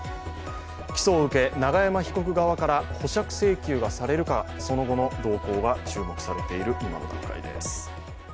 起訴を受け、永山被告側から保釈請求がされるかその後の動向が注目されている、今の展開です。